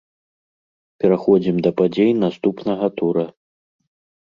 Пераходзім да падзей наступнага тура.